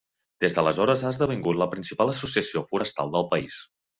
Des d'aleshores ha esdevingut la principal associació forestal del país.